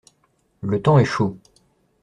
Le temps est chaud.